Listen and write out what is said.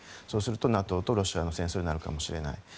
そうするとＮＡＴＯとロシアの戦争になるかもしれない。